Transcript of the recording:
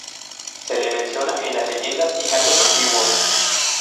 Se le menciona en las leyendas y cantos antiguos.